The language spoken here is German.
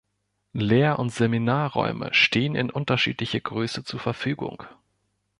Lehr- und Seminarräume stehen in unterschiedlicher Größe zur Verfügung.